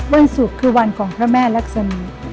วันศุกร์คือวันของพระแม่รักษมี